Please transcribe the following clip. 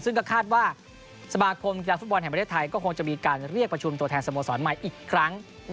ซึ่งก็คาดว่าสมาคมกีฬาฟุตบอลแห่งประเทศไทยก็คงจะมีการเรียกประชุมตัวแทนสโมสรใหม่อีกครั้ง